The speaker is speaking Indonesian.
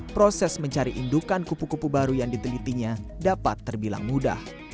proses mencari indukan kupu kupu baru yang ditelitinya dapat terbilang mudah